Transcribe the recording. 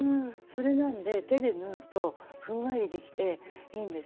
それなんで手で縫うとふんわりできていいんですね。